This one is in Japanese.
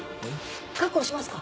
確保しますか？